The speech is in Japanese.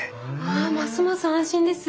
あますます安心です。